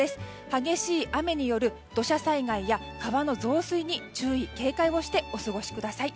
激しい雨による土砂災害や川の増水に注意・警戒をしてお過ごしください。